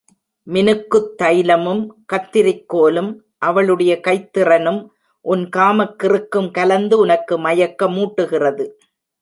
மினுக்குத் தைலமும் கத்திரிக்கோலும், அவளுடைய கைத்திறனும், உன் காமக்கிறுக்கும் கலந்து உனக்கு மயக்க மூட்டுகிறது!